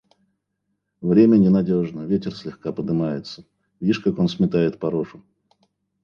– Время ненадежно: ветер слегка подымается; вишь, как он сметает порошу.